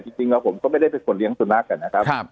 จริงจริงว่าผมก็ไม่ได้เป็นคนเลี้ยงสุนัขอ่ะนะครับครับ